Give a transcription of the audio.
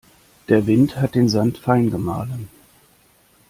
Der Wind hat den Sand fein gemahlen.